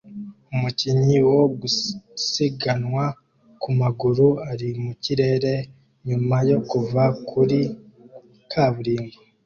Umukinnyi wo gusiganwa ku maguru ari mu kirere nyuma yo kuva kuri kaburimbo